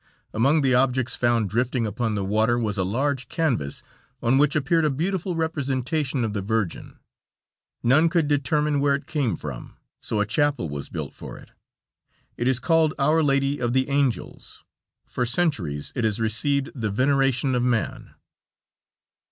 Among the objects found drifting upon the water was a large canvas, on which appeared a beautiful representation of the Virgin. None could determine where it came from, so a chapel was built for it. It is called "Our Lady of the Angels." For centuries it has received the veneration of man.